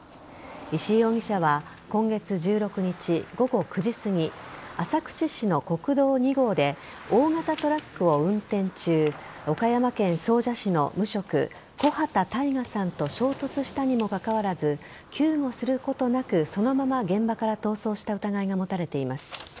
石井容疑者は今月１６日午後９時すぎ浅口市の国道２号で大型トラックを運転中岡山県総社市の無職木幡大虎さんと衝突したにもかかわらず救護することなくそのまま現場から逃走した疑いが持たれています。